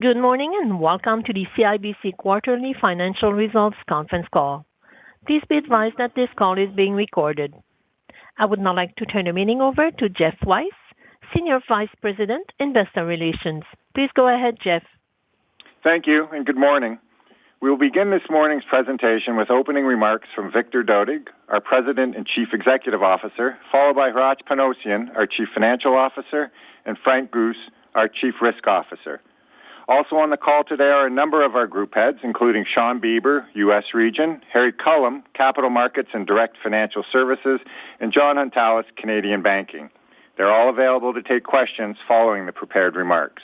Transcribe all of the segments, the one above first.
Good morning, and welcome to the CIBC Quarterly Financial Results Conference Call. Please be advised that this call is being recorded. I would now like to turn the meeting over to Geoff Weiss, Senior Vice President, Investor Relations. Please go ahead, Geoff. Thank you and good morning. We will begin this morning's presentation with opening remarks from Victor Dodig, our President and Chief Executive Officer, followed by Hratch Panossian, our Chief Financial Officer, and Frank Guse, our Chief Risk Officer. Also on the call today are a number of our group heads, including Shawn Beber, U.S. Region, Harry Culham, Capital Markets and Direct Financial Services, and Jon Hountalas, Canadian Banking. They're all available to take questions following the prepared remarks.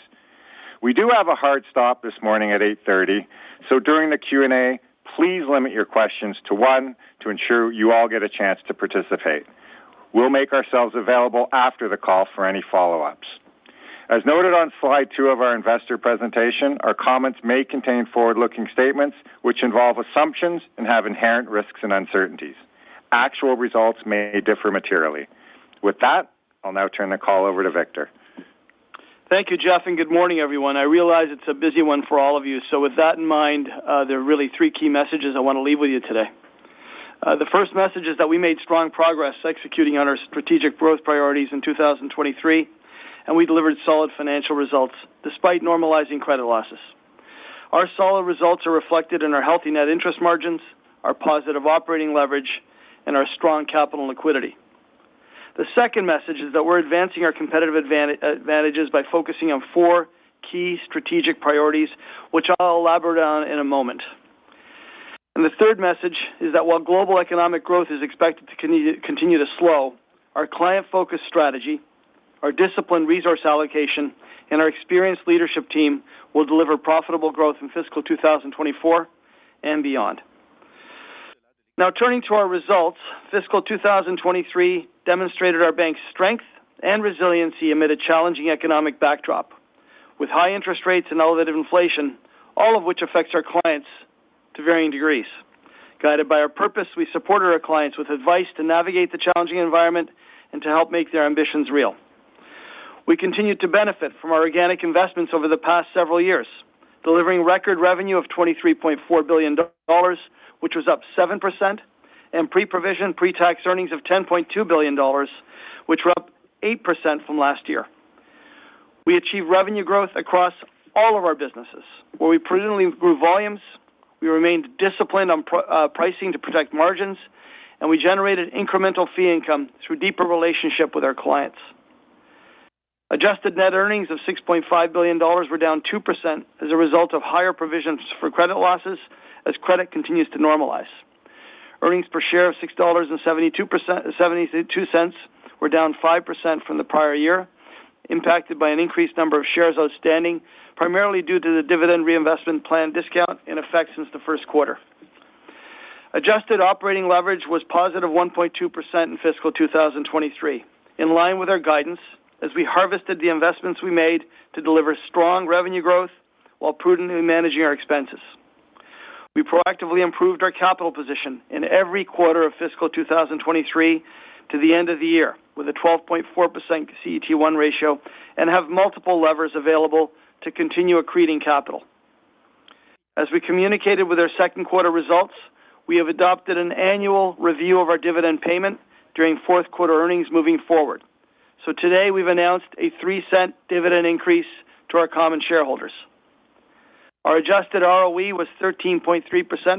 We do have a hard stop this morning at 8:30 A.M., so during the Q&A, please limit your questions to one to ensure you all get a chance to participate. We'll make ourselves available after the call for any follow-ups. As noted on slide 2 of our investor presentation, our comments may contain forward-looking statements, which involve assumptions and have inherent risks and uncertainties. Actual results may differ materially. With that, I'll now turn the call over to Victor. Thank you, geoff, and good morning, everyone. I realize it's a busy one for all of you, so with that in mind, there are really three key messages I want to leave with you today. The first message is that we made strong progress executing on our strategic growth priorities in 2023, and we delivered solid financial results despite normalizing credit losses. Our solid results are reflected in our healthy net interest margins, our positive operating leverage, and our strong capital liquidity. The second message is that we're advancing our competitive advantages by focusing on four key strategic priorities, which I'll elaborate on in a moment. The third message is that while global economic growth is expected to continue to slow, our client-focused strategy, our disciplined resource allocation, and our experienced leadership team will deliver profitable growth in fiscal 2024 and beyond. Now, turning to our results, fiscal 2023 demonstrated our bank's strength and resiliency amid a challenging economic backdrop, with high interest rates and elevated inflation, all of which affects our clients to varying degrees. Guided by our purpose, we supported our clients with advice to navigate the challenging environment and to help make their ambitions real. We continued to benefit from our organic investments over the past several years, delivering record revenue of 23.4 billion dollars, which was up 7%, and pre-provision, pre-tax earnings of 10.2 billion dollars, which were up 8% from last year. We achieved revenue growth across all of our businesses, where we prudently improved volumes, we remained disciplined on pricing to protect margins, and we generated incremental fee income through deeper relationship with our clients. Adjusted net earnings of 6.5 billion dollars were down 2% as a result of higher provisions for credit losses as credit continues to normalize. Earnings per share of 6.72 dollars were down 5% from the prior year, impacted by an increased number of shares outstanding, primarily due to the dividend reinvestment plan discount in effect since the first quarter. Adjusted operating leverage was positive 1.2% in fiscal 2023, in line with our guidance, as we harvested the investments we made to deliver strong revenue growth while prudently managing our expenses. We proactively improved our capital position in every quarter of fiscal 2023 to the end of the year, with a 12.4% CET1 ratio, and have multiple levers available to continue accreting capital. As we communicated with our second quarter results, we have adopted an annual review of our dividend payment during fourth quarter earnings moving forward. So today, we've announced a 0.03 dividend increase to our common shareholders. Our adjusted ROE was 13.3%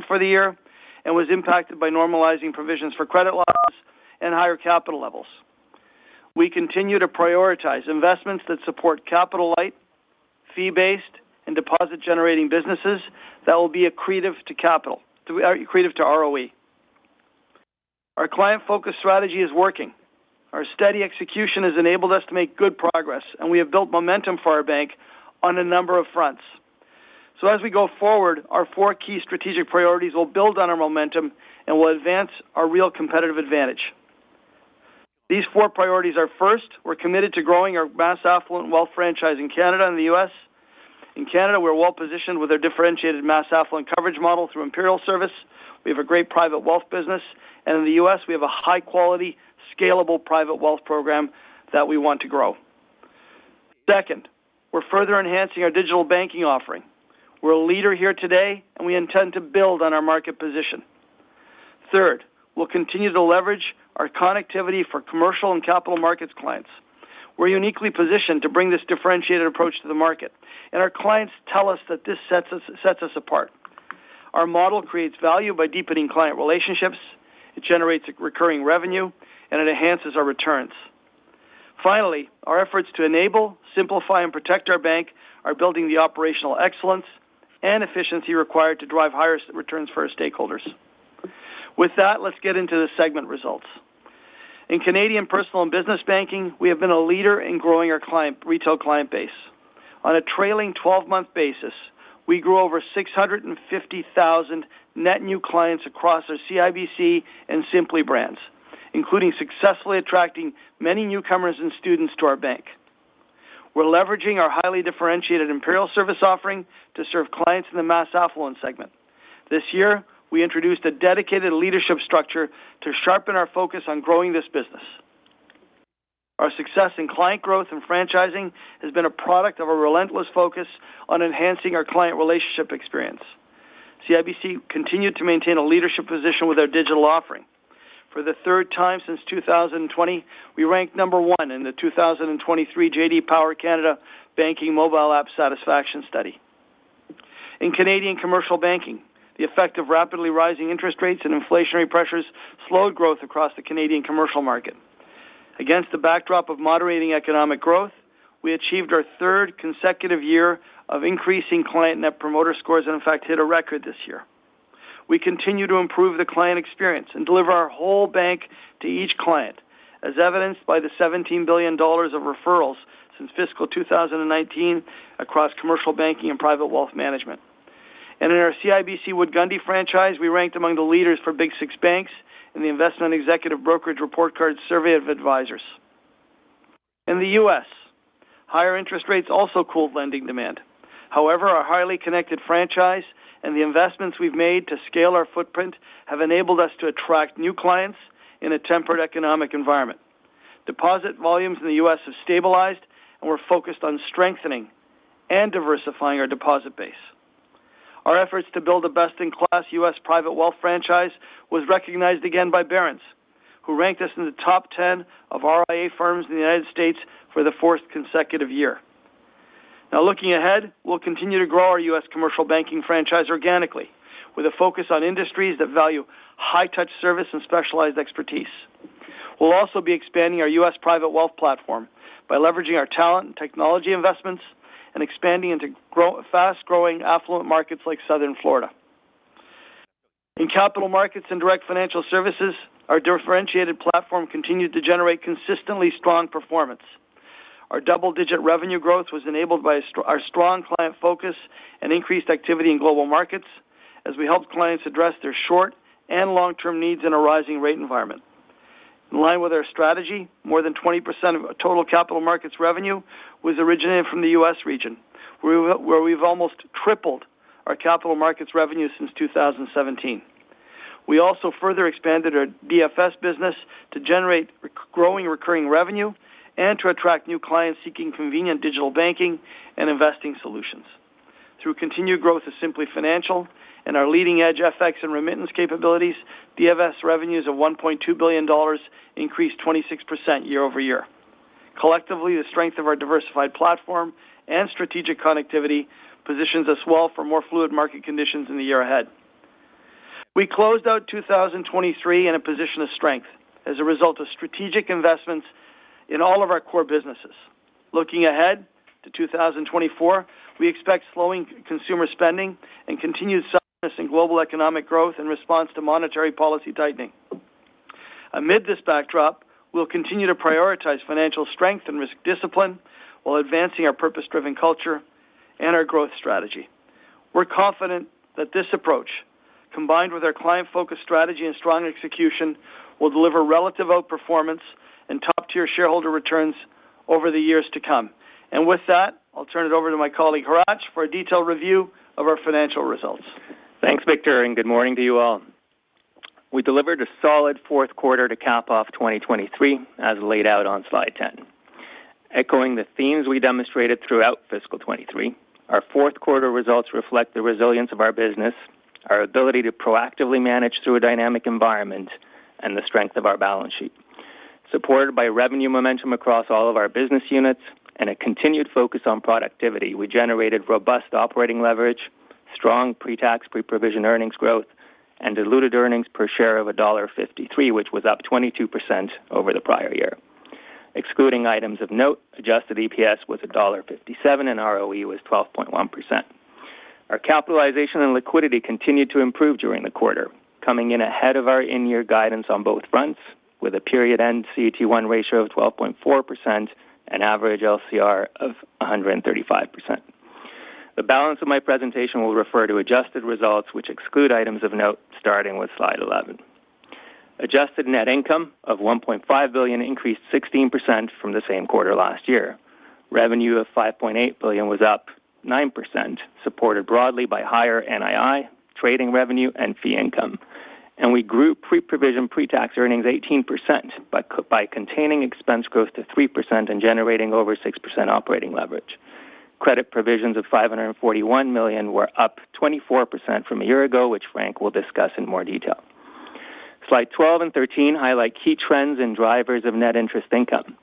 for the year and was impacted by normalizing provisions for credit losses and higher capital levels. We continue to prioritize investments that support capital light, fee-based, and deposit-generating businesses that will be accretive to capital, accretive to ROE. Our client-focused strategy is working. Our steady execution has enabled us to make good progress, and we have built momentum for our bank on a number of fronts. So as we go forward, our four key strategic priorities will build on our momentum and will advance our real competitive advantage. These four priorities are, first, we're committed to growing our mass affluent wealth franchise in Canada and the U.S. In Canada, we're well-positioned with our differentiated mass affluent coverage model through Imperial Service. We have a great private wealth business, and in the U.S., we have a high-quality, scalable private wealth program that we want to grow. Second, we're further enhancing our digital banking offering. We're a leader here today, and we intend to build on our market position. Third, we'll continue to leverage our connectivity for commercial and capital markets clients. We're uniquely positioned to bring this differentiated approach to the market, and our clients tell us that this sets us, sets us apart. Our model creates value by deepening client relationships, it generates recurring revenue, and it enhances our returns. Finally, our efforts to enable, simplify, and protect our bank are building the operational excellence and efficiency required to drive higher returns for our stakeholders. With that, let's get into the segment results. In Canadian Personal and Business Banking, we have been a leader in growing our retail client base. On a trailing twelve-month basis, we grew over 650,000 net new clients across our CIBC and Simplii brands, including successfully attracting many newcomers and students to our bank. We're leveraging our highly differentiated Imperial Service offering to serve clients in the mass affluent segment. This year, we introduced a dedicated leadership structure to sharpen our focus on growing this business. Our success in client growth and franchising has been a product of a relentless focus on enhancing our client relationship experience. CIBC continued to maintain a leadership position with our digital offering. For the third time since 2020, we ranked number one in the 2023 J.D. Power Canada Banking Mobile App Satisfaction study. In Canadian commercial banking, the effect of rapidly rising interest rates and inflationary pressures slowed growth across the Canadian commercial market. Against the backdrop of moderating economic growth, we achieved our third consecutive year of increasing client Net Promoter scores, and in fact, hit a record this year. We continue to improve the client experience and deliver our whole bank to each client, as evidenced by 17 billion dollars of referrals since fiscal 2019 across commercial banking and private wealth management. In our CIBC Wood Gundy franchise, we ranked among the leaders for Big Six banks in the investment executive brokerage report card survey of advisors. In the U.S., higher interest rates also cooled lending demand. However, our highly connected franchise and the investments we've made to scale our footprint have enabled us to attract new clients in a tempered economic environment. Deposit volumes in the U.S. have stabilized, and we're focused on strengthening and diversifying our deposit base. Our efforts to build a best-in-class U.S. private wealth franchise was recognized again by Barron's, who ranked us in the top 10 of RIA firms in the United States for the fourth consecutive year. Now, looking ahead, we'll continue to grow our U.S. commercial banking franchise organically, with a focus on industries that value high-touch service and specialized expertise. We'll also be expanding our U.S. private wealth platform by leveraging our talent and technology investments and expanding into fast-growing, affluent markets like Southern Florida. In capital markets and direct financial services, our differentiated platform continued to generate consistently strong performance. Our double-digit revenue growth was enabled by our strong client focus and increased activity in global markets as we helped clients address their short- and long-term needs in a rising rate environment. In line with our strategy, more than 20% of our total capital markets revenue was originated from the U.S. region, where we, where we've almost tripled our capital markets revenue since 2017. We also further expanded our DFS business to generate recurring revenue and to attract new clients seeking convenient digital banking and investing solutions. Through continued growth of Simplii Financial and our leading-edge FX and remittance capabilities, DFS revenues of 1.2 billion dollars increased 26% year-over-year. Collectively, the strength of our diversified platform and strategic connectivity positions us well for more fluid market conditions in the year ahead. We closed out 2023 in a position of strength as a result of strategic investments in all of our core businesses. Looking ahead to 2024, we expect slowing consumer spending and continued softness in global economic growth in response to monetary policy tightening. Amid this backdrop, we'll continue to prioritize financial strength and risk discipline while advancing our purpose-driven culture and our growth strategy. We're confident that this approach, combined with our client-focused strategy and strong execution, will deliver relative outperformance and top-tier shareholder returns over the years to come. With that, I'll turn it over to my colleague, Hratch, for a detailed review of our financial results. Thanks, Victor, and good morning to you all. We delivered a solid fourth quarter to cap off 2023, as laid out on slide 10. Echoing the themes we demonstrated throughout fiscal 2023, our fourth quarter results reflect the resilience of our business, our ability to proactively manage through a dynamic environment, and the strength of our balance sheet. Supported by revenue momentum across all of our business units and a continued focus on productivity, we generated robust operating leverage, strong pre-tax, pre-provision earnings growth, and diluted earnings per share of dollar 1.53, which was up 22% over the prior year. Excluding items of note, adjusted EPS was dollar 1.57, and ROE was 12.1%. Our capitalization and liquidity continued to improve during the quarter, coming in ahead of our in-year guidance on both fronts, with a period-end CET1 ratio of 12.4% and average LCR of 135%. The balance of my presentation will refer to adjusted results, which exclude items of note, starting with Slide 11. Adjusted net income of 1.5 billion increased 16% from the same quarter last year. Revenue of 5.8 billion was up 9%, supported broadly by higher NII, trading revenue, and fee income. We grew pre-provision, pre-tax earnings 18%, by containing expense growth to 3% and generating over 6% operating leverage. Credit provisions of 541 million were up 24% from a year ago, which Frank will discuss in more detail. Slide 12 and 13 highlight key trends and drivers of net interest income.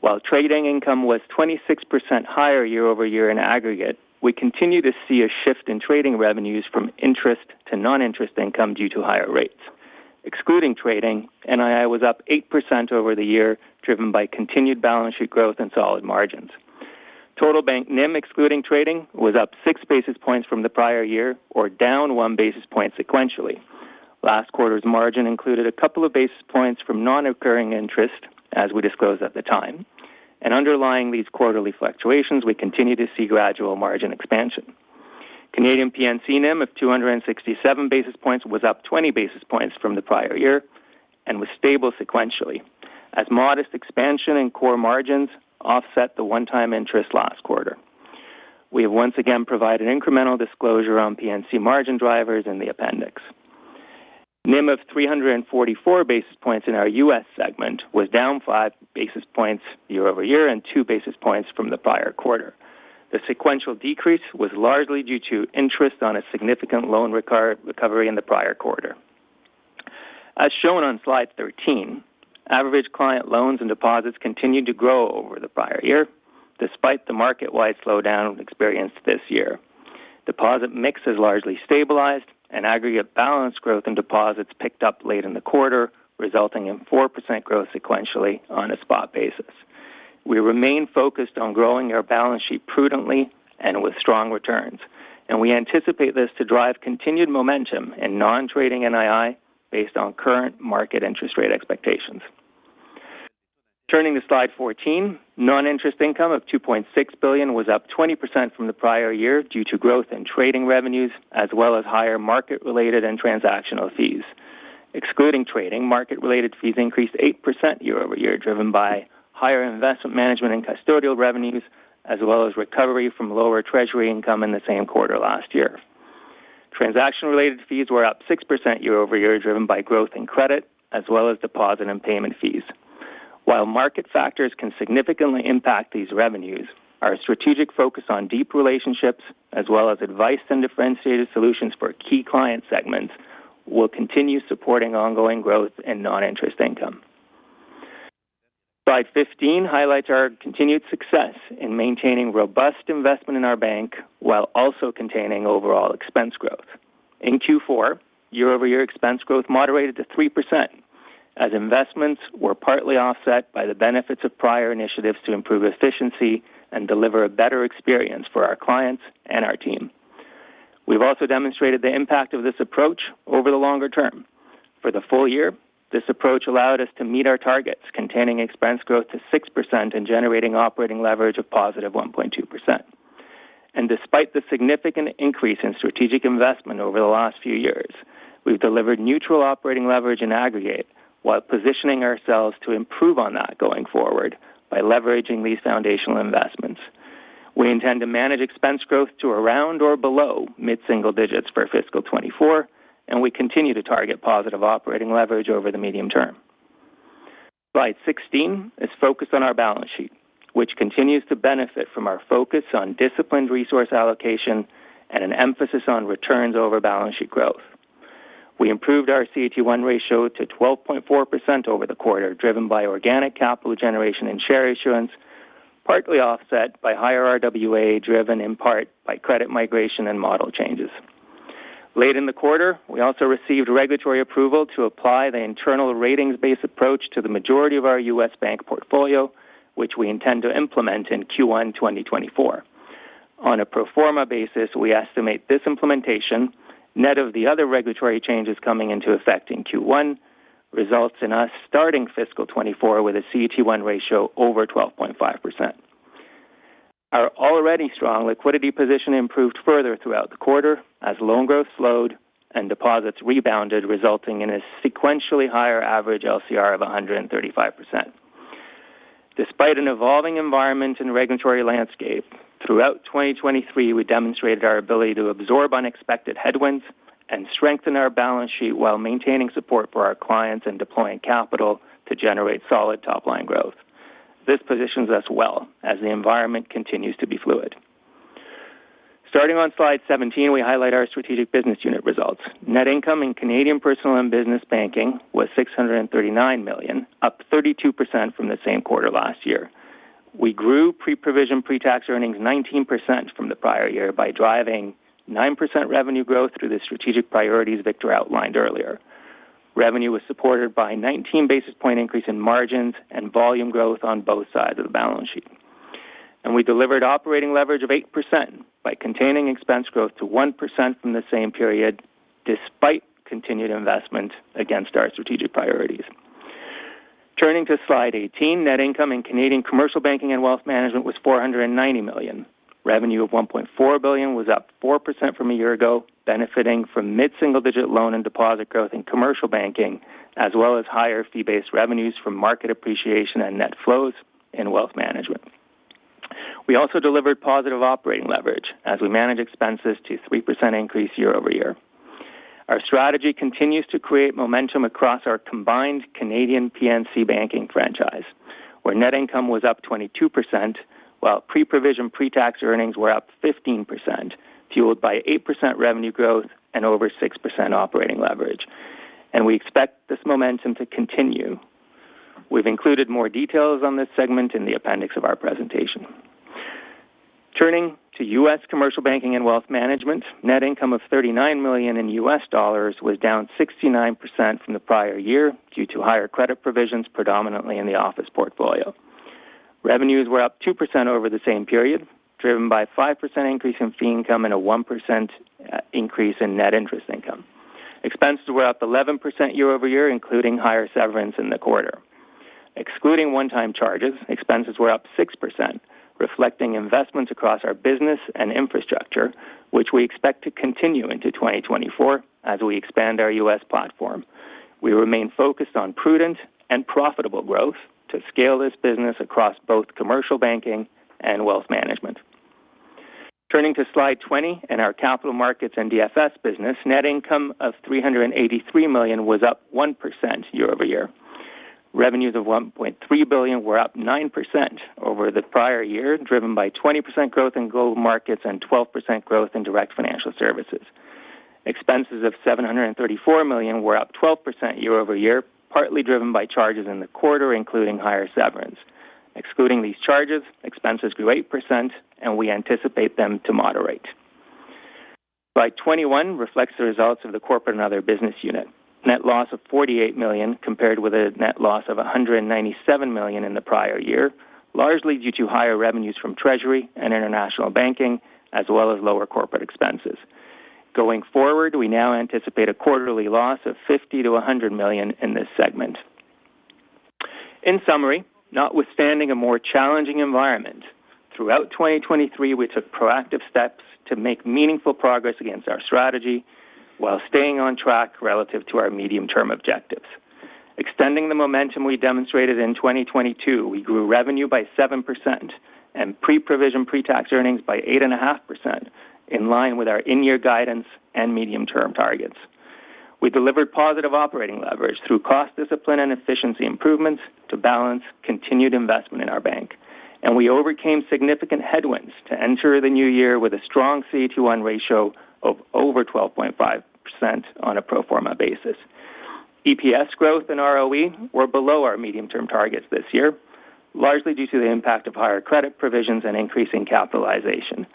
While trading income was 26% higher year-over-year in aggregate, we continue to see a shift in trading revenues from interest to non-interest income due to higher rates. Excluding trading, NII was up 8% year-over-year, driven by continued balance sheet growth and solid margins. Total bank NIM, excluding trading, was up six basis points from the prior year or down 1 basis point sequentially. Last quarter's margin included a couple of basis points from non-recurring interest, as we disclosed at the time, and underlying these quarterly fluctuations, we continue to see gradual margin expansion. Canadian P&C NIM of 267 basis points was up 20 basis points from the prior year and was stable sequentially, as modest expansion in core margins offset the one-time interest last quarter. We have once again provided incremental disclosure on P&C margin drivers in the appendix.... NIM of 344 basis points in our U.S. segment was down five basis points year-over-year and two basis points from the prior quarter. The sequential decrease was largely due to interest on a significant loan required recovery in the prior quarter. As shown on slide 13, average client loans and deposits continued to grow over the prior year, despite the market-wide slowdown experienced this year. Deposit mix has largely stabilized and aggregate balance growth in deposits picked up late in the quarter, resulting in 4% growth sequentially on a spot basis. We remain focused on growing our balance sheet prudently and with strong returns, and we anticipate this to drive continued momentum in non-trading NII based on current market interest rate expectations. Turning to Slide 14, non-interest income of 2.6 billion was up 20% from the prior year due to growth in trading revenues, as well as higher market-related and transactional fees. Excluding trading, market-related fees increased 8% year-over-year, driven by higher investment management and custodial revenues, as well as recovery from lower treasury income in the same quarter last year. Transaction-related fees were up 6% year-over-year, driven by growth in credit as well as deposit and payment fees. While market factors can significantly impact these revenues, our strategic focus on deep relationships as well as advice and differentiated solutions for key client segments will continue supporting ongoing growth in non-interest income. Slide 15 highlights our continued success in maintaining robust investment in our bank while also containing overall expense growth. In Q4, year-over-year expense growth moderated to 3% as investments were partly offset by the benefits of prior initiatives to improve efficiency and deliver a better experience for our clients and our team. We've also demonstrated the impact of this approach over the longer term. For the full year, this approach allowed us to meet our targets, containing expense growth to 6% and generating operating leverage of positive 1.2%. Despite the significant increase in strategic investment over the last few years, we've delivered neutral operating leverage in aggregate, while positioning ourselves to improve on that going forward by leveraging these foundational investments. We intend to manage expense growth to around or below mid-single digits for fiscal 2024, and we continue to target positive operating leverage over the medium term. Slide 16 is focused on our balance sheet, which continues to benefit from our focus on disciplined resource allocation and an emphasis on returns over balance sheet growth. We improved our CET1 ratio to 12.4% over the quarter, driven by organic capital generation and share issuance, partly offset by higher RWA, driven in part by credit migration and model changes. Late in the quarter, we also received regulatory approval to apply the internal ratings-based approach to the majority of our U.S. Bank portfolio, which we intend to implement in Q1 2024. On a pro forma basis, we estimate this implementation, net of the other regulatory changes coming into effect in Q1, results in us starting fiscal 2024 with a CET1 ratio over 12.5%. Our already strong liquidity position improved further throughout the quarter as loan growth slowed and deposits rebounded, resulting in a sequentially higher average LCR of 135%. Despite an evolving environment and regulatory landscape, throughout 2023, we demonstrated our ability to absorb unexpected headwinds and strengthen our balance sheet while maintaining support for our clients and deploying capital to generate solid top-line growth. This positions us well as the environment continues to be fluid. Starting on slide 17, we highlight our strategic business unit results. Net income in Canadian Personal and Business Banking was 639 million, up 32% from the same quarter last year. We grew pre-provision, pre-tax earnings 19% from the prior year by driving 9% revenue growth through the strategic priorities Victor outlined earlier. Revenue was supported by 19 basis point increase in margins and volume growth on both sides of the balance sheet. We delivered operating leverage of 8% by containing expense growth to 1% from the same period, despite continued investment against our strategic priorities. Turning to slide 18, net income in Canadian commercial banking and wealth management was 490 million. Revenue of 1.4 billion was up 4% from a year ago, benefiting from mid-single digit loan and deposit growth in commercial banking, as well as higher fee-based revenues from market appreciation and net flows in wealth management. We also delivered positive operating leverage as we managed expenses to 3% increase year-over-year. Our strategy continues to create momentum across our combined Canadian P&C banking franchise, where net income was up 22%, while pre-provision, pre-tax earnings were up 15%, fueled by 8% revenue growth and over 6% operating leverage. We expect this momentum to continue. We've included more details on this segment in the appendix of our presentation. Turning to U.S. commercial banking and wealth management, net income of $39 million was down 69% from the prior year due to higher credit provisions, predominantly in the office portfolio. Revenues were up 2% over the same period, driven by a 5% increase in fee income and a 1% increase in net interest income. Expenses were up 11% year-over-year, including higher severance in the quarter. Excluding one-time charges, expenses were up 6%, reflecting investments across our business and infrastructure, which we expect to continue into 2024 as we expand our U.S. platform. We remain focused on prudent and profitable growth to scale this business across both commercial banking and wealth management. Turning to Slide 20 in our capital markets and DFS business, net income of 383 million was up 1% year over year. Revenues of 1.3 billion were up 9% over the prior year, driven by 20% growth in global markets and 12% growth in direct financial services. Expenses of 734 million were up 12% year over year, partly driven by charges in the quarter, including higher severance. Excluding these charges, expenses grew 8% and we anticipate them to moderate. Slide 21 reflects the results of the corporate and other business unit. Net loss of 48 million, compared with a net loss of 197 million in the prior year, largely due to higher revenues from Treasury and international banking, as well as lower corporate expenses. Going forward, we now anticipate a quarterly loss of 50 million-100 million in this segment. In summary, notwithstanding a more challenging environment, throughout 2023, we took proactive steps to make meaningful progress against our strategy while staying on track relative to our medium-term objectives. Extending the momentum we demonstrated in 2022, we grew revenue by 7% and pre-provision, pre-tax earnings by 8.5%, in line with our in-year guidance and medium-term targets. We delivered positive operating leverage through cost discipline and efficiency improvements to balance continued investment in our bank, and we overcame significant headwinds to enter the new year with a strong CET1 ratio of over 12.5% on a pro forma basis. EPS growth and ROE were below our medium-term targets this year, largely due to the impact of higher credit provisions and increasing capitalization.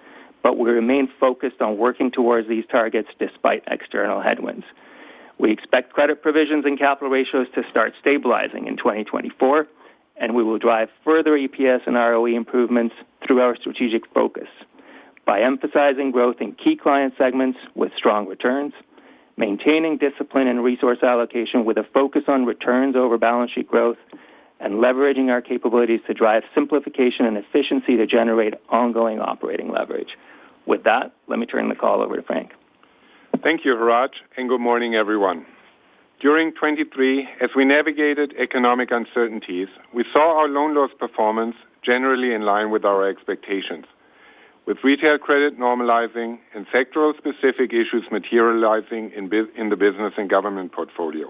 But we remain focused on working towards these targets despite external headwinds. We expect credit provisions and capital ratios to start stabilizing in 2024, and we will drive further EPS and ROE improvements through our strategic focus by emphasizing growth in key client segments with strong returns, maintaining discipline and resource allocation with a focus on returns over balance sheet growth, and leveraging our capabilities to drive simplification and efficiency to generate ongoing operating leverage. With that, let me turn the call over to Frank. Thank you, Hratch, and good morning, everyone. During 2023, as we navigated economic uncertainties, we saw our loan loss performance generally in line with our expectations, with retail credit normalizing and sectoral specific issues materializing in the business and government portfolio.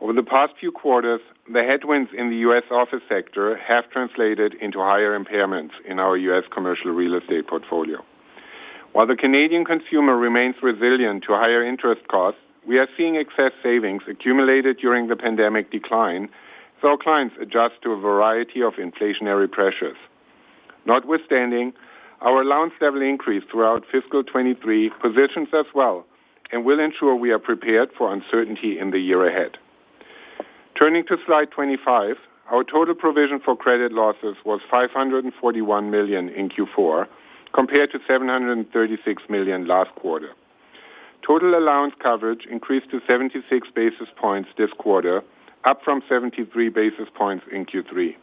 Over the past few quarters, the headwinds in the U.S. office sector have translated into higher impairments in our U.S. commercial real estate portfolio. While the Canadian consumer remains resilient to higher interest costs, we are seeing excess savings accumulated during the pandemic decline, so our clients adjust to a variety of inflationary pressures. Notwithstanding, our allowance level increase throughout fiscal 2023 positions us well and will ensure we are prepared for uncertainty in the year ahead. Turning to slide 25, our total provision for credit losses was 541 million in Q4, compared to 736 million last quarter. Total allowance coverage increased to 76 basis points this quarter, up from 73 basis points in Q3.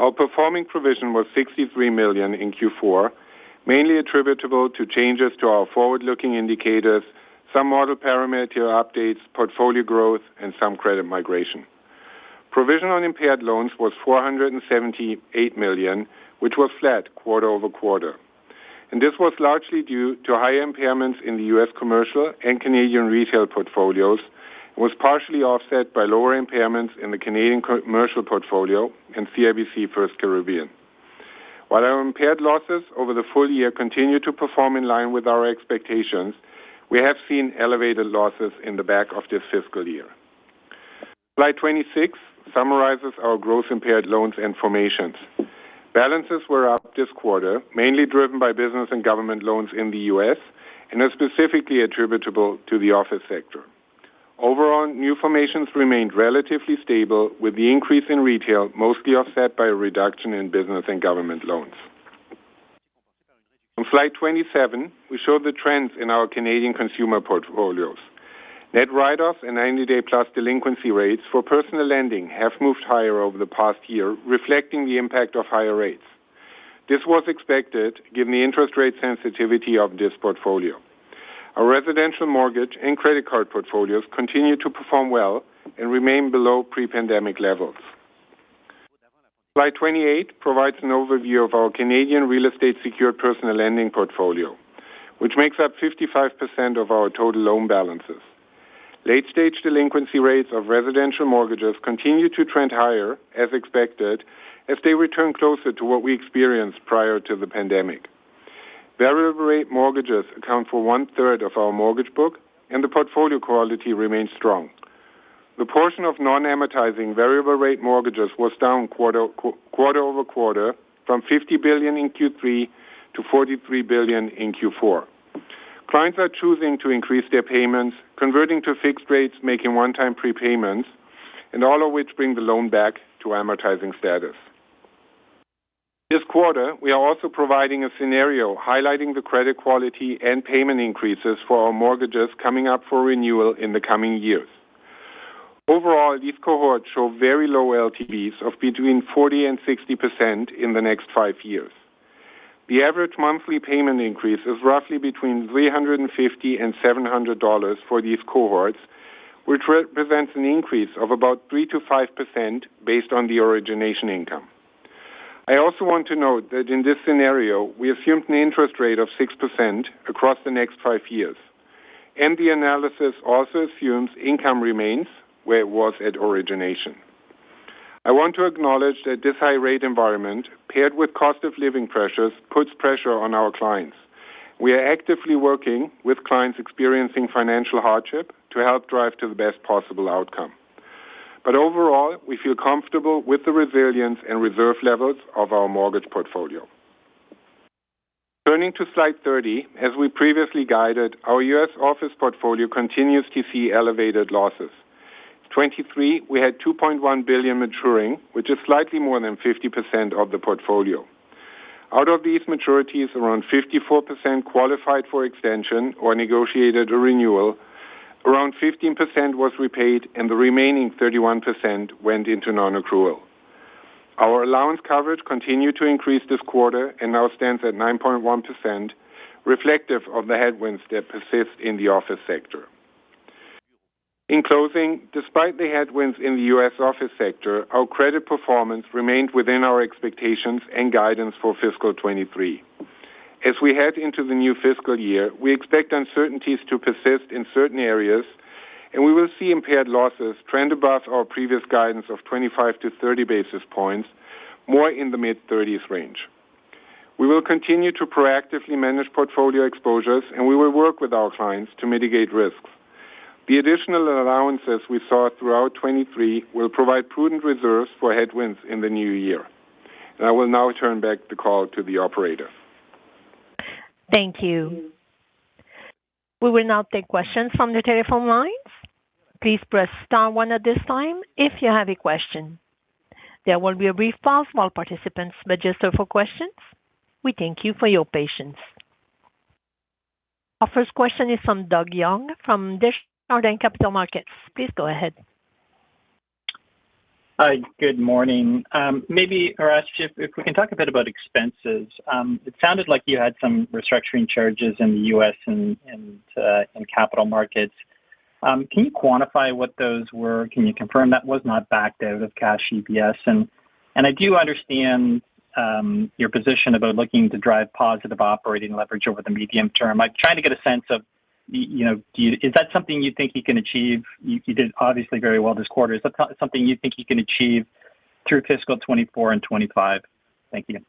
Our performing provision was 63 million in Q4, mainly attributable to changes to our forward-looking indicators, some model parameter updates, portfolio growth, and some credit migration. Provision on impaired loans was 478 million, which was flat quarter over quarter, and this was largely due to higher impairments in the U.S. commercial and Canadian retail portfolios, and was partially offset by lower impairments in the Canadian commercial portfolio and CIBC FirstCaribbean. While our impaired losses over the full year continue to perform in line with our expectations, we have seen elevated losses in the back of this fiscal year. Slide 26 summarizes our gross impaired loans and formations. Balances were up this quarter, mainly driven by business and government loans in the U.S. and are specifically attributable to the office sector. Overall, new formations remained relatively stable, with the increase in retail mostly offset by a reduction in business and government loans. On slide 27, we show the trends in our Canadian consumer portfolios. Net write-offs and 90-day-plus delinquency rates for personal lending have moved higher over the past year, reflecting the impact of higher rates. This was expected given the interest rate sensitivity of this portfolio. Our residential mortgage and credit card portfolios continue to perform well and remain below pre-pandemic levels. Slide 28 provides an overview of our Canadian real estate secured personal lending portfolio, which makes up 55% of our total loan balances. Late-stage delinquency rates of residential mortgages continue to trend higher, as expected, as they return closer to what we experienced prior to the pandemic. Variable rate mortgages account for one-third of our mortgage book, and the portfolio quality remains strong. The portion of non-amortizing variable rate mortgages was down quarter-over-quarter, from 50 billion in Q3 to 43 billion in Q4. Clients are choosing to increase their payments, converting to fixed rates, making one-time prepayments, and all of which bring the loan back to amortizing status. This quarter, we are also providing a scenario highlighting the credit quality and payment increases for our mortgages coming up for renewal in the coming years. Overall, these cohorts show very low LTVs of between 40% and 60% in the next five years. The average monthly payment increase is roughly between 350 and 700 dollars for these cohorts, which represents an increase of about 3%-5% based on the origination income. I also want to note that in this scenario, we assumed an interest rate of 6% across the next five years, and the analysis also assumes income remains where it was at origination. I want to acknowledge that this high rate environment, paired with cost of living pressures, puts pressure on our clients. We are actively working with clients experiencing financial hardship to help drive to the best possible outcome. But overall, we feel comfortable with the resilience and reserve levels of our mortgage portfolio. Turning to slide 30, as we previously guided, our U.S. office portfolio continues to see elevated losses. 2023, we had 2.1 billion maturing, which is slightly more than 50% of the portfolio. Out of these maturities, around 54% qualified for extension or negotiated a renewal, around 15% was repaid, and the remaining 31% went into non-accrual. Our allowance coverage continued to increase this quarter and now stands at 9.1%, reflective of the headwinds that persist in the office sector. In closing, despite the headwinds in the US office sector, our credit performance remained within our expectations and guidance for fiscal 2023. As we head into the new fiscal year, we expect uncertainties to persist in certain areas, and we will see impaired losses trend above our previous guidance of 25-30 basis points, more in the mid-thirties range. We will continue to proactively manage portfolio exposures, and we will work with our clients to mitigate risks. The additional allowances we saw throughout 2023 will provide prudent reserves for headwinds in the new year. I will now turn back the call to the operator. Thank you. We will now take questions from the telephone lines. Please press star one at this time if you have a question. There will be a brief pause while participants register for questions. We thank you for your patience. Our first question is from Doug Young, from Desjardins Capital Markets. Please go ahead. Hi, good morning. Maybe, Hratch, if we can talk a bit about expenses. It sounded like you had some restructuring charges in the U.S. and in Capital Markets. Can you quantify what those were? Can you confirm that was not backed out of cash EPS? And I do understand your position about looking to drive positive operating leverage over the medium term. I'm trying to get a sense of, you know, do you, is that something you think you can achieve? You did obviously very well this quarter. Is that something you think you can achieve through fiscal 2024 and 2025? Thank you. Morning,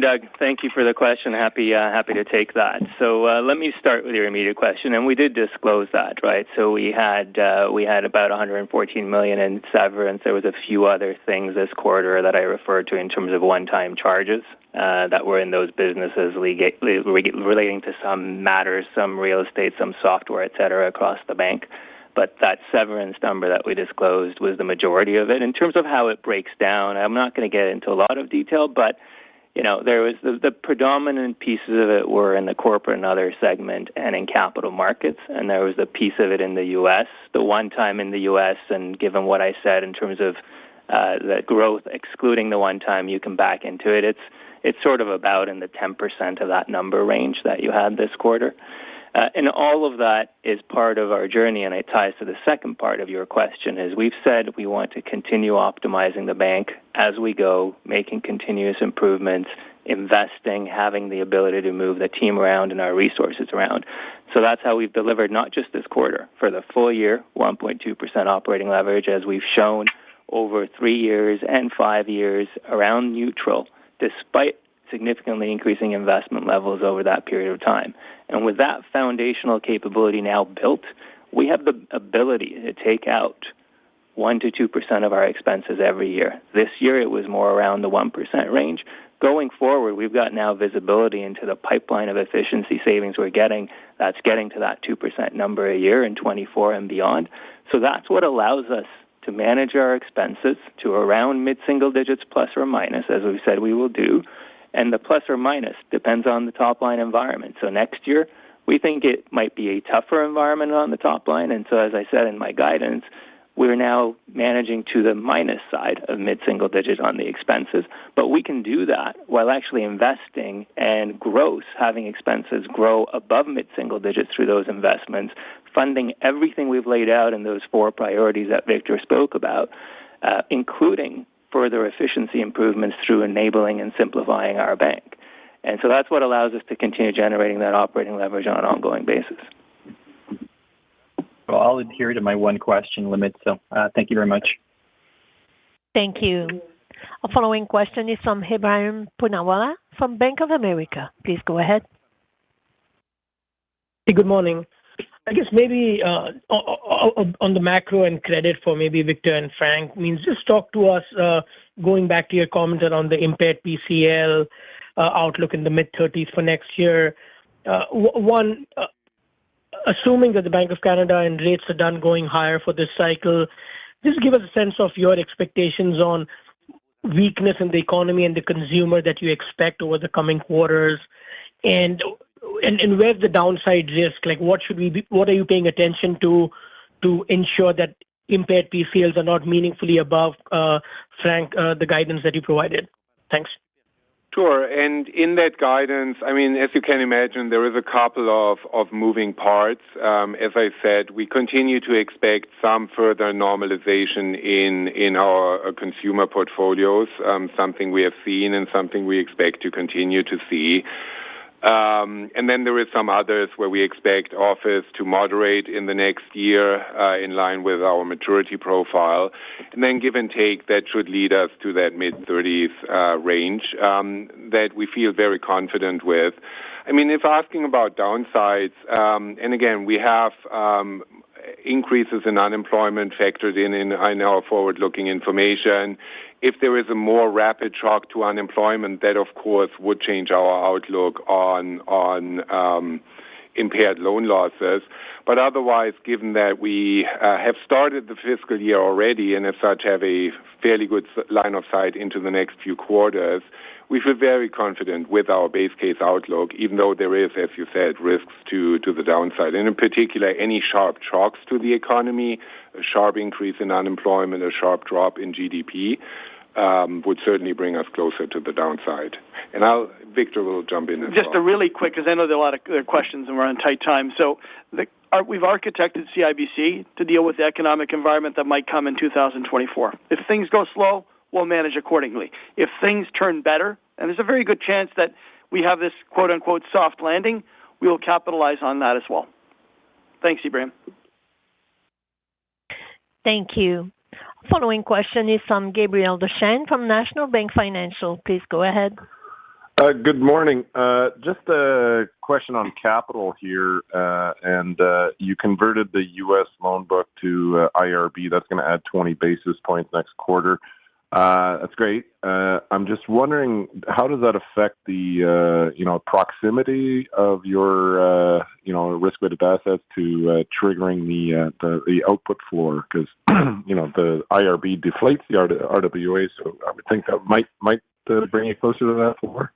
Doug. Thank you for the question. Happy, happy to take that. So, let me start with your immediate question, and we did disclose that, right? So we had, we had about 114 million in severance. There was a few other things this quarter that I referred to in terms of one-time charges, that were in those businesses relating to some matters, some real estate, some software, et cetera, across the bank. But that severance number that we disclosed was the majority of it. In terms of how it breaks down, I'm not going to get into a lot of detail, but, you know, there was the, the predominant pieces of it were in the corporate and other segment and in capital markets, and there was a piece of it in the U.S. The one-time in the U.S., and given what I said in terms of the growth, excluding the one-time, you can back into it. It's sort of about in the 10% of that number range that you had this quarter. And all of that is part of our journey, and it ties to the second part of your question, is we've said we want to continue optimizing the bank as we go, making continuous improvements, investing, having the ability to move the team around and our resources around. So that's how we've delivered, not just this quarter, for the full year, 1.2% operating leverage, as we've shown over three years and five years around neutral, despite significantly increasing investment levels over that period of time. With that foundational capability now built, we have the ability to take out 1%-2% of our expenses every year. This year it was more around the 1% range. Going forward, we've got now visibility into the pipeline of efficiency savings we're getting. That's getting to that 2% number a year in 2024 and beyond. That's what allows us to manage our expenses to around mid-single digits ±, as we've said we will do, and the plus or minus depends on the top line environment. Next year, we think it might be a tougher environment on the top line, and so as I said in my guidance, we're now managing to the minus side of mid-single digits on the expenses. But we can do that while actually investing and growth, having expenses grow above mid-single digits through those investments, funding everything we've laid out in those four priorities that Victor spoke about, including further efficiency improvements through enabling and simplifying our bank. And so that's what allows us to continue generating that operating leverage on an ongoing basis. Well, I'll adhere to my one question limit, so, thank you very much. Thank you. Our following question is from Ebrahim Poonawala from Bank of America. Please go ahead. Good morning. I guess maybe on the macro and credit for maybe Victor and Frank, means just talk to us going back to your comment on the impaired PCL outlook in the mid-thirties for next year. One, assuming that the Bank of Canada and rates are done going higher for this cycle, just give us a sense of your expectations on weakness in the economy and the consumer that you expect over the coming quarters, and where's the downside risk? Like, what should we be... What are you paying attention to, to ensure that impaired PCLs are not meaningfully above, Frank, the guidance that you provided? Thanks. Sure. And in that guidance, I mean, as you can imagine, there is a couple of moving parts. As I said, we continue to expect some further normalization in our consumer portfolios, something we have seen and something we expect to continue to see. And then there is some others where we expect office to moderate in the next year, in line with our maturity profile. And then give and take, that should lead us to that mid-thirties range that we feel very confident with. I mean, if asking about downsides, and again, we have increases in unemployment factored in our forward-looking information. If there is a more rapid shock to unemployment, that, of course, would change our outlook on impaired loan losses. But otherwise, given that we have started the fiscal year already, and as such, have a fairly good line of sight into the next few quarters, we feel very confident with our base case outlook, even though there is, as you said, risks to, to the downside. And in particular, any sharp shocks to the economy, a sharp increase in unemployment, a sharp drop in GDP would certainly bring us closer to the downside. And Victor will jump in as well. Just a really quick, because I know there are a lot of good questions, and we're on tight time. So we've architected CIBC to deal with the economic environment that might come in 2024. If things go slow, we'll manage accordingly. If things turn better, and there's a very good chance that we have this quote-unquote, "soft landing," we will capitalize on that as well. Thanks, Ebrahim. Thank you. Following question is from Gabriel Dechaine, from National Bank Financial. Please go ahead. Good morning. Just a question on capital here, and you converted the U.S. loan book to IRB. That's going to add 20 basis points next quarter. That's great. I'm just wondering, how does that affect the, you know, proximity of your, you know, risk-weighted assets to triggering the output floor? Because, you know, the IRB deflates the RWA, so I would think that might bring you closer to that floor.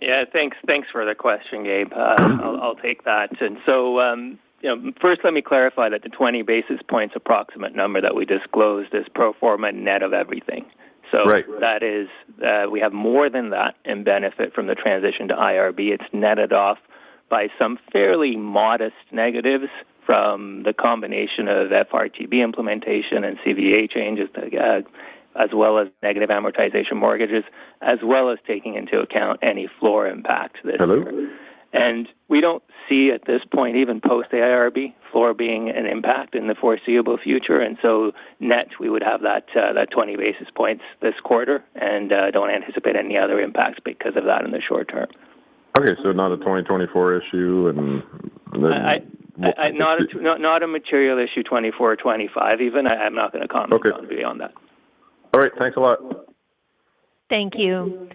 Yeah, thanks. Thanks for the question, Gabe. I'll, I'll take that. And so, you know, first, let me clarify that the 20 basis points approximate number that we disclosed is pro forma net of everything. Right. So that is, we have more than that in benefit from the transition to IRB. It's netted off by some fairly modest negatives from the combination of FRTB implementation and CVA changes, as well as negative amortization mortgages, as well as taking into account any floor impacts that- Hello? We don't see, at this point, even post the IRB floor being an impact in the foreseeable future, and so net, we would have that, that 20 basis points this quarter, and don't anticipate any other impacts because of that in the short term. Okay. So not a 2024 issue, and then- It's not a material issue, 24 or 25 even. I'm not going to comment- Okay -beyond that. All right. Thanks a lot. Thank you.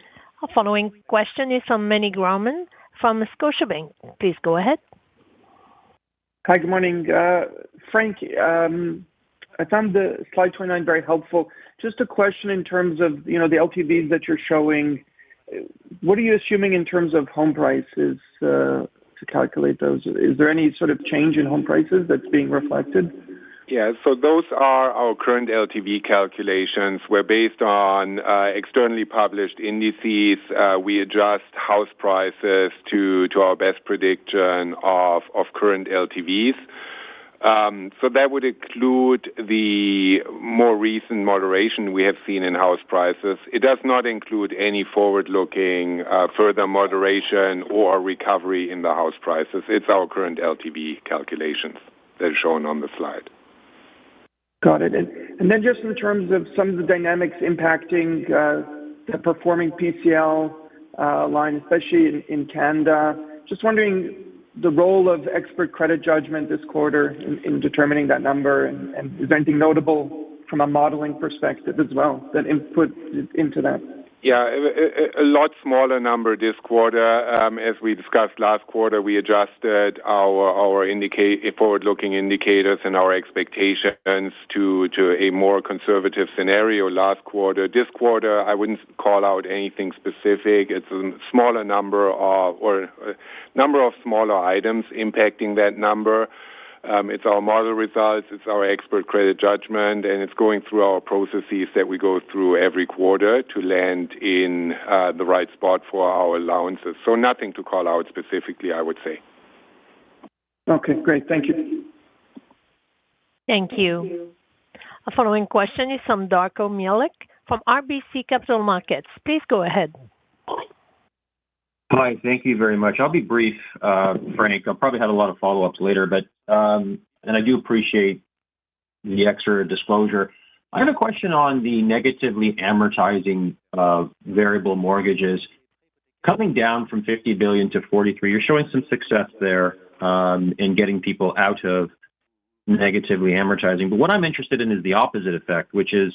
Our following question is from Meny Grauman from Scotiabank. Please go ahead. Hi, good morning. Frank, I found the slide 29 very helpful. Just a question in terms of, you know, the LTVs that you're showing, what are you assuming in terms of home prices to calculate those? Is there any sort of change in home prices that's being reflected? Yeah, so those are our current LTV calculations, where based on externally published indices, we adjust house prices to our best prediction of current LTVs. So that would include the more recent moderation we have seen in house prices. It does not include any forward-looking further moderation or recovery in the house prices. It's our current LTV calculations that are shown on the slide. Got it. And then just in terms of some of the dynamics impacting the performing PCL line, especially in Canada, just wondering the role of expert credit judgment this quarter in determining that number, and is there anything notable from a modeling perspective as well that inputs into that? Yeah, a lot smaller number this quarter. As we discussed last quarter, we adjusted our forward-looking indicators and our expectations to a more conservative scenario last quarter. This quarter, I wouldn't call out anything specific. It's a smaller number of... or a number of smaller items impacting that number. It's our model results, it's our expert credit judgment, and it's going through our processes that we go through every quarter to land in the right spot for our allowances. Nothing to call out specifically, I would say. Okay, great. Thank you. Thank you. Our following question is from Darko Mihelic from RBC Capital Markets. Please go ahead. Hi, thank you very much. I'll be brief, Frank. I'll probably have a lot of follow-ups later, but, and I do appreciate the extra disclosure. I have a question on the negatively amortizing variable mortgages. Coming down from 50 billion to 43 billion, you're showing some success there in getting people out of negatively amortizing. But what I'm interested in is the opposite effect, which is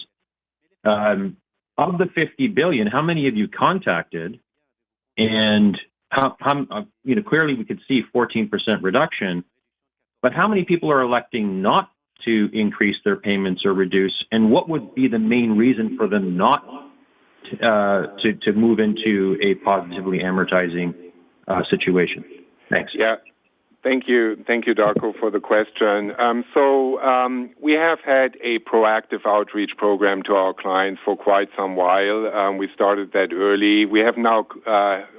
of the 50 billion, how many have you contacted? And how, you know, clearly we could see 14% reduction, but how many people are electing not to increase their payments or reduce, and what would be the main reason for them not to move into a positively amortizing situation? Thanks. Yeah. Thank you. Thank you, Darko, for the question. So, we have had a proactive outreach program to our clients for quite some while, and we started that early. We have now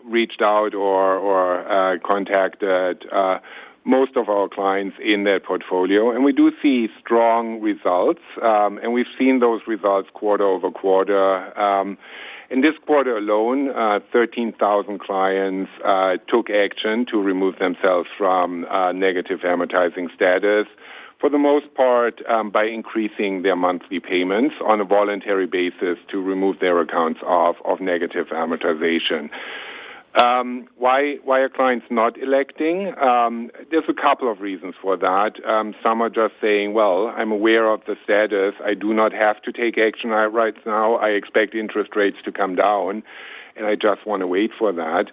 reached out or contacted most of our clients in their portfolio, and we do see strong results. We've seen those results quarter-over-quarter. In this quarter alone, 13,000 clients took action to remove themselves from negative amortizing status, for the most part, by increasing their monthly payments on a voluntary basis to remove their accounts off of negative amortization. Why are clients not electing? There's a couple of reasons for that. Some are just saying: "Well, I'm aware of the status. I do not have to take action right now. I expect interest rates to come down, and I just want to wait for that."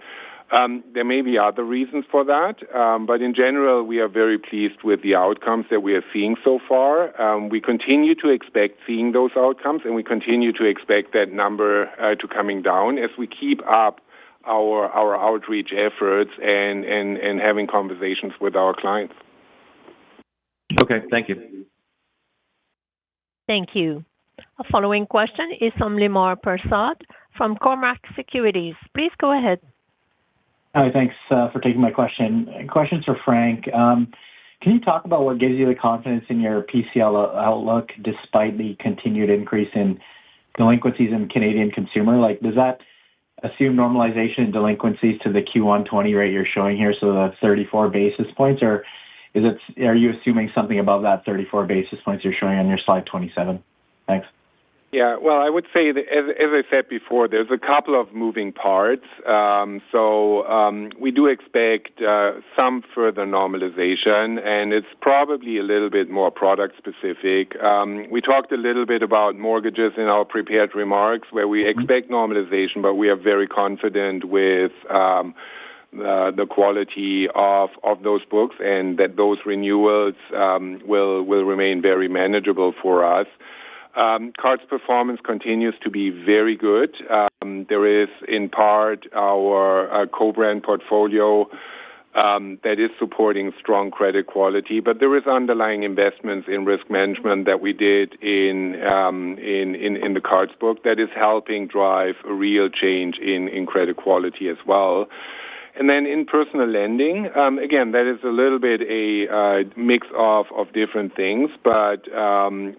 There may be other reasons for that, but in general, we are very pleased with the outcomes that we are seeing so far. We continue to expect seeing those outcomes, and we continue to expect that number to coming down as we keep up our outreach efforts and having conversations with our clients. Okay, thank you. Thank you. Our following question is from Lemar Persaud from Cormark Securities. Please go ahead. Hi, thanks, for taking my question. Question is for Frank. Can you talk about what gives you the confidence in your PCL outlook despite the continued increase in delinquencies in Canadian consumer? Like, does that assume normalization in delinquencies to the Q1 2020 rate you're showing here, so the 34 basis points, or is it-- are you assuming something above that 34 basis points you're showing on your slide 27? Thanks. Yeah, well, I would say that as I said before, there's a couple of moving parts. So, we do expect some further normalization, and it's probably a little bit more product specific. We talked a little bit about mortgages in our prepared remarks, where we expect normalization, but we are very confident with the quality of those books, and that those renewals will remain very manageable for us. Cards performance continues to be very good. There is, in part, our co-brand portfolio that is supporting strong credit quality. But there is underlying investments in risk management that we did in the cards book that is helping drive a real change in credit quality as well. And then in personal lending, again, that is a little bit a mix of different things, but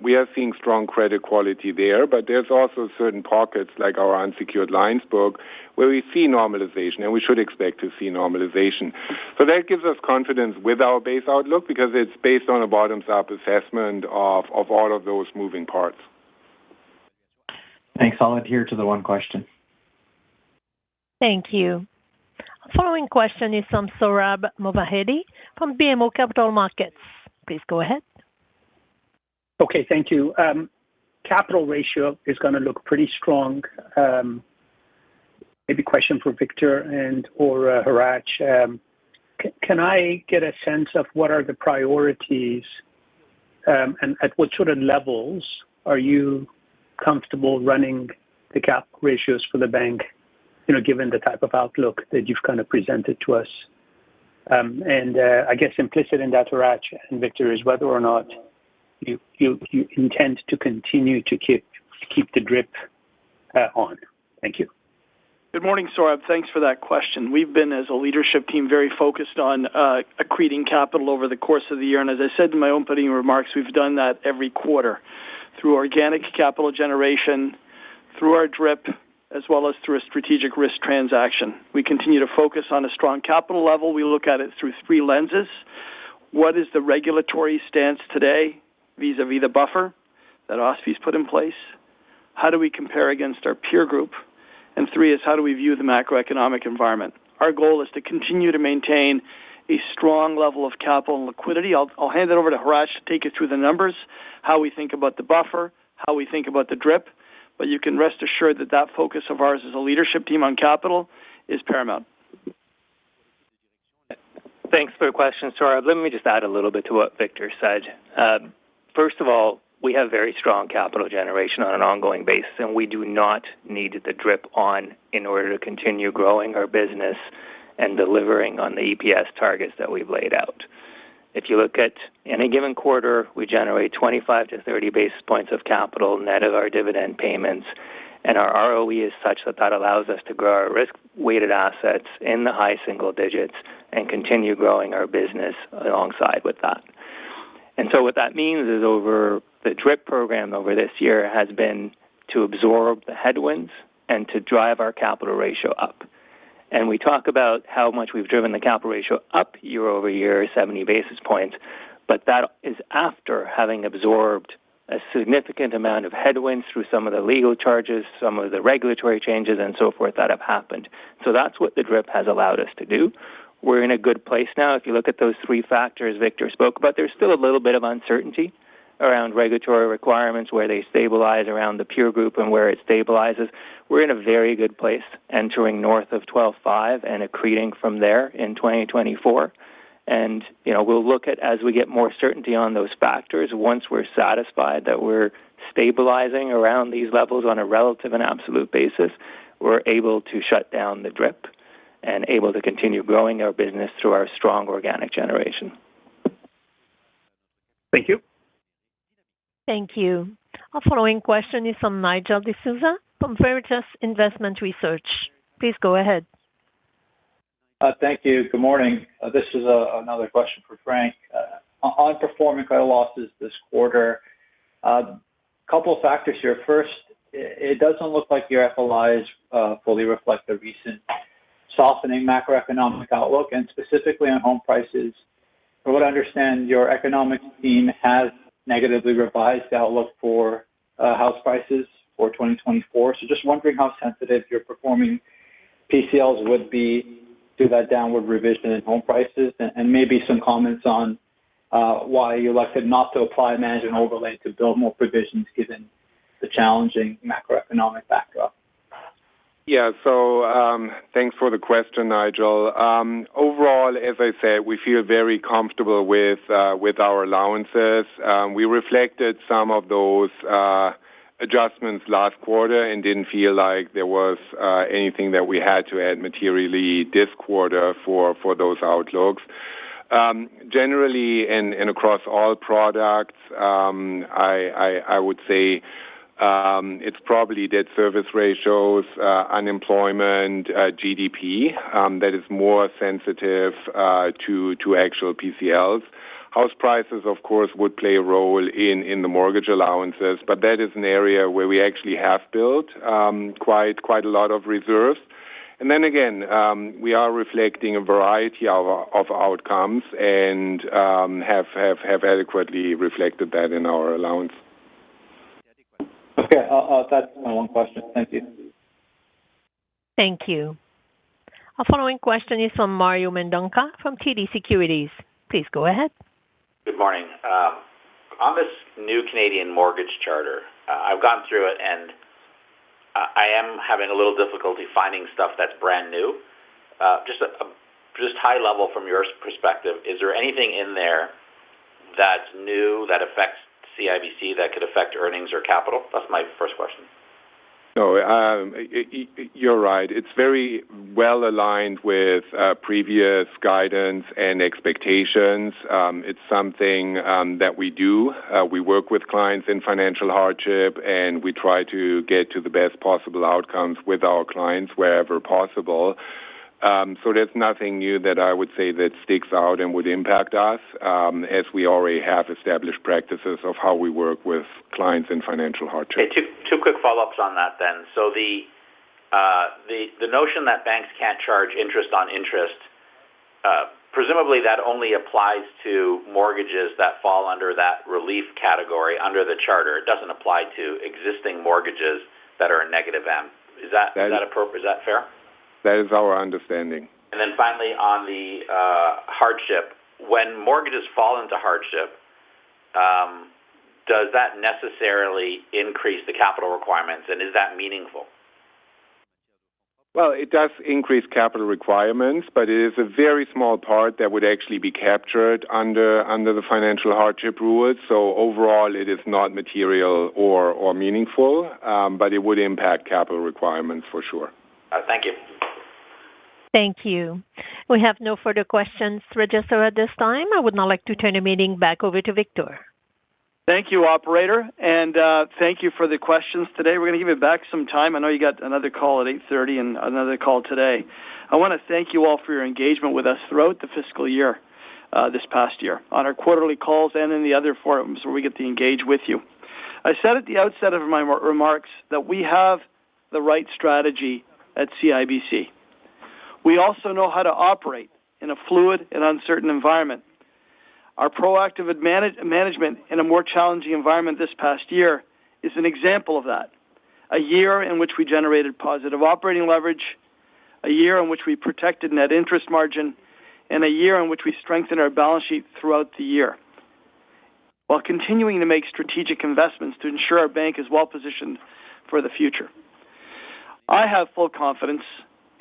we are seeing strong credit quality there. But there's also certain pockets, like our unsecured lines book, where we see normalization, and we should expect to see normalization. So that gives us confidence with our base outlook because it's based on a bottom-up assessment of all of those moving parts. Thanks. I'll adhere to the one question. Thank you. Following question is from Sohrab Movahedi from BMO Capital Markets. Please go ahead. Okay, thank you. Capital ratio is going to look pretty strong. Maybe a question for Victor and/or Hratch. Can I get a sense of what are the priorities, and at what sort of levels are you comfortable running the capital ratios for the bank, you know, given the type of outlook that you've kind of presented to us? And I guess implicit in that, Hratch and Victor, is whether or not you intend to continue to keep the DRIP on. Thank you. Good morning, Sohrab. Thanks for that question. We've been, as a leadership team, very focused on accreting capital over the course of the year. And as I said in my opening remarks, we've done that every quarter through organic capital generation, through our DRIP, as well as through a strategic risk transaction. We continue to focus on a strong capital level. We look at it through three lenses. What is the regulatory stance today vis-a-vis the buffer that OSFI's put in place? How do we compare against our peer group? And three is, how do we view the macroeconomic environment? Our goal is to continue to maintain a strong level of capital and liquidity. I'll hand it over to Hratch to take you through the numbers, how we think about the buffer, how we think about the DRIP, but you can rest assured that that focus of ours as a leadership team on capital is paramount. Thanks for the question, Sohrab. Let me just add a little bit to what Victor said. First of all, we have very strong capital generation on an ongoing basis, and we do not need the DRIP on in order to continue growing our business and delivering on the EPS targets that we've laid out. If you look at any given quarter, we generate 25-30 basis points of capital, net of our dividend payments, and our ROE is such that that allows us to grow our risk-weighted assets in the high single digits and continue growing our business alongside with that. And so what that means is over the DRIP program over this year has been to absorb the headwinds and to drive our capital ratio up. And we talk about how much we've driven the capital ratio up year-over-year, 70 basis points, but that is after having absorbed a significant amount of headwinds through some of the legal charges, some of the regulatory changes, and so forth, that have happened. So that's what the DRIP has allowed us to do. We're in a good place now. If you look at those three factors Victor spoke about, there's still a little bit of uncertainty around regulatory requirements, where they stabilize around the peer group and where it stabilizes. We're in a very good place entering north of 12.5 and accreting from there in 2024. And, you know, we'll look at, as we get more certainty on those factors, once we're satisfied that we're stabilizing around these levels on a relative and absolute basis-... we're able to shut down the DRIP and able to continue growing our business through our strong organic generation. Thank you. Thank you. Our following question is from Nigel D'Souza from Veritas Investment Research. Please go ahead. Thank you. Good morning. This is another question for Frank. On performing credit losses this quarter, a couple of factors here. First, it doesn't look like your FLIs fully reflect the recent softening macroeconomic outlook, and specifically on home prices. From what I understand, your economics team has negatively revised the outlook for house prices for 2024. So just wondering how sensitive your performing PCLs would be to that downward revision in home prices, and maybe some comments on why you elected not to apply a management overlay to build more provisions given the challenging macroeconomic backdrop? Yeah. So, thanks for the question, Nigel. Overall, as I said, we feel very comfortable with our allowances. We reflected some of those adjustments last quarter and didn't feel like there was anything that we had to add materially this quarter for those outlooks. Generally and across all products, I would say it's probably debt service ratios, unemployment, GDP, that is more sensitive to actual PCLs. House prices, of course, would play a role in the mortgage allowances, but that is an area where we actually have built quite a lot of reserves. And then again, we are reflecting a variety of outcomes and have adequately reflected that in our allowance. Okay. That's my one question. Thank you. Thank you. Our following question is from Mario Mendonca from TD Securities. Please go ahead. Good morning. On this new Canadian Mortgage Charter, I've gone through it, and I am having a little difficulty finding stuff that's brand new. Just high level from your perspective, is there anything in there that's new that affects CIBC that could affect earnings or capital? That's my first question. No, you're right. It's very well aligned with previous guidance and expectations. It's something that we do. We work with clients in financial hardship, and we try to get to the best possible outcomes with our clients wherever possible. So there's nothing new that I would say that sticks out and would impact us, as we already have established practices of how we work with clients in financial hardship. Two quick follow-ups on that then. So the notion that banks can't charge interest on interest, presumably that only applies to mortgages that fall under that relief category under the charter. It doesn't apply to existing mortgages that are a negative M. Is that, is that appropriate, is that fair? That is our understanding. And then finally, on the hardship. When mortgages fall into hardship, does that necessarily increase the capital requirements, and is that meaningful? Well, it does increase capital requirements, but it is a very small part that would actually be captured under the financial hardship rules. So overall, it is not material or meaningful, but it would impact capital requirements for sure. Thank you. Thank you. We have no further questions registered at this time. I would now like to turn the meeting back over to Victor. Thank you, operator, and thank you for the questions today. We're going to give you back some time. I know you got another call at 8:30 and another call today. I want to thank you all for your engagement with us throughout the fiscal year, this past year, on our quarterly calls and in the other forums where we get to engage with you. I said at the outset of my remarks that we have the right strategy at CIBC. We also know how to operate in a fluid and uncertain environment. Our proactive management in a more challenging environment this past year is an example of that. A year in which we generated positive operating leverage, a year in which we protected net interest margin, and a year in which we strengthened our balance sheet throughout the year, while continuing to make strategic investments to ensure our bank is well positioned for the future. I have full confidence,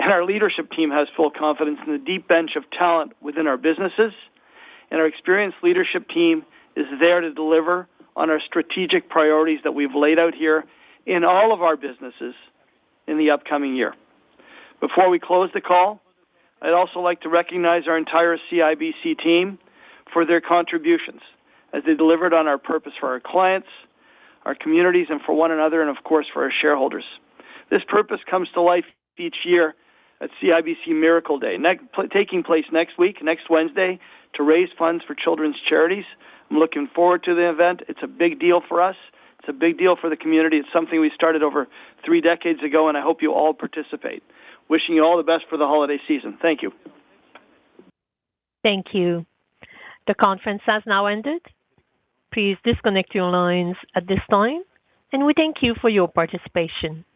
and our leadership team has full confidence in the deep bench of talent within our businesses, and our experienced leadership team is there to deliver on our strategic priorities that we've laid out here in all of our businesses in the upcoming year. Before we close the call, I'd also like to recognize our entire CIBC team for their contributions as they delivered on our purpose for our clients, our communities, and for one another, and of course, for our shareholders. This purpose comes to life each year at CIBC Miracle Day, next, taking place next week, next Wednesday, to raise funds for children's charities. I'm looking forward to the event. It's a big deal for us. It's a big deal for the community. It's something we started over three decades ago, and I hope you all participate. Wishing you all the best for the holiday season. Thank you. Thank you. The conference has now ended. Please disconnect your lines at this time, and we thank you for your participation.